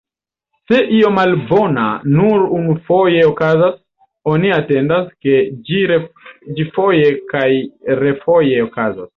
Se io malbona nur unufoje okazas, oni atendas, ke ĝi foje kaj refoje okazos.